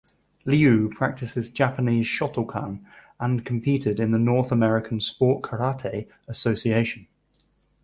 Liu practices Japanese Shotokan and competed in the North American Sport Karate Association.